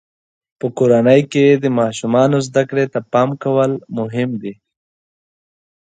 په کورنۍ کې د ماشومانو زده کړې ته پام کول مهم دي.